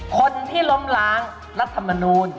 คนที่ล้มล้างรัฐมนูล